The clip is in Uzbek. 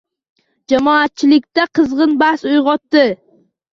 Jamoatchilikda qizg'in bahs uyg'otdi.